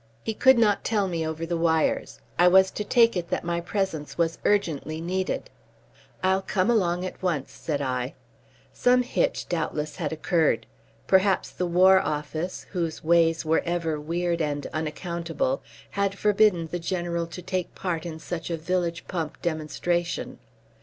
He could not tell me over the wires. I was to take it that my presence was urgently needed. "I'll come along at once," said I. Some hitch doubtless had occurred. Perhaps the War Office (whose ways were ever weird and unaccountable) had forbidden the General to take part in such a village pump demonstration.